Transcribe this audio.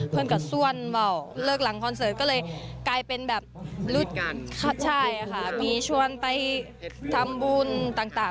เพื่อนก็ส้วนว่าวเลิกหลังคอนเสิร์ตก็เลยกลายเป็นแบบใช่ค่ะมีชวนไปทำบุญต่าง